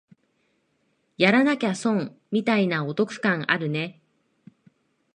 やらなきゃ損みたいなお得感あるね